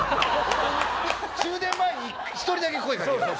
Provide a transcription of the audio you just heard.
「終電前に１人だけ声掛けよう」